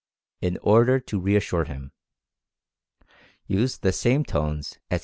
in order to reassure him. Use the same tones, etc.